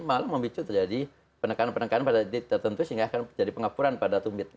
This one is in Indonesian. malah memicu terjadi penekanan penekanan pada titik tertentu sehingga akan jadi pengapuran pada tumit